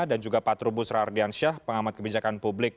dan juga pak trubus rardiansyah pengamat kebijakan publik